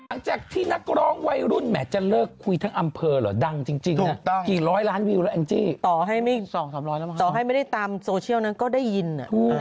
อาจจะที่นักร้องวัยรุ่นแหมจะเลิกคุยทั้งอำเภอหรอดังจริงต่อให้มีสองสามร้อยแล้วต่อให้ไม่ได้ตามโซเชียลนั้นก็ได้ยินนะ